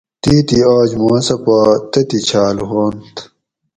تیتھی آج ما سہ پا تتھی چھاۤل ھوانت